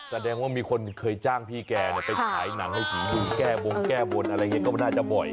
แสดงว่ามีคนเคยจ้างพี่แกไปขายหนังให้ผีบุญแก้บงแก้บนอะไรอย่างนี้ก็น่าจะบ่อย